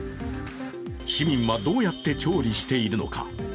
市民は、どうやって調理しているのか。